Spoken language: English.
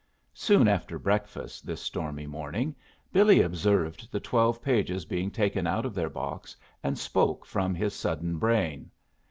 Soon after breakfast this stormy morning Billy observed the twelve pages being taken out of their box, and spoke from his sudden brain.